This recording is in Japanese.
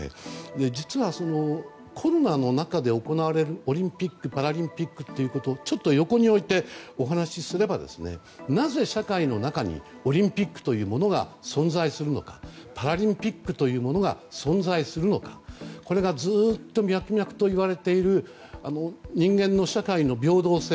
実は、コロナの中で行われるオリンピック・パラリンピックということをちょっと横において、お話すればなぜ、社会の中にオリンピックというものが存在するのかパラリンピックというものが存在するのかこれがずっと脈々と言われている人間の社会の平等性。